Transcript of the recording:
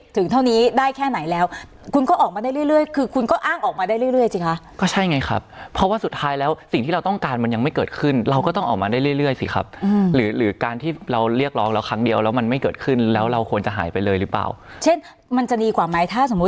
ถึงเท่านี้ได้แค่ไหนแล้วคุณก็ออกมาได้เรื่อยคือคุณก็อ้างออกมาได้เรื่อยสิคะก็ใช่ไงครับเพราะว่าสุดท้ายแล้วสิ่งที่เราต้องการมันยังไม่เกิดขึ้นเราก็ต้องออกมาได้เรื่อยเรื่อยสิครับหรือหรือการที่เราเรียกร้องแล้วครั้งเดียวแล้วมันไม่เกิดขึ้นแล้วเราควรจะหายไปเลยหรือเปล่าเช่นมันจะดีกว่าไหมถ้าสมมุติ